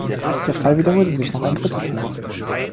Der Fall wiederholte sich noch ein drittes Mal.